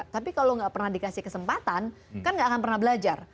tapi kalau nggak pernah dikasih kesempatan kan nggak akan pernah belajar